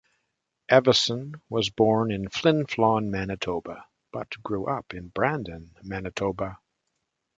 Evason was born in Flin Flon, Manitoba, but grew up in Brandon, Manitoba.